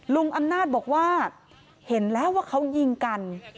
ลุงอำนาจบอกว่าเห็นแล้วว่าเขายิงกัน